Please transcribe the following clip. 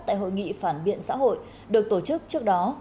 tại hội nghị phản biện xã hội được tổ chức trước đó